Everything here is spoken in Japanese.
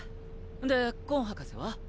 でコン博士は？